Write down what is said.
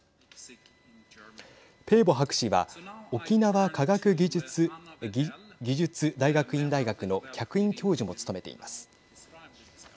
ペーボ博士は沖縄科学技術大学院大学の客員教授も務めています。